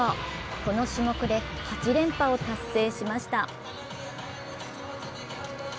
この種目で８連覇を達成しました。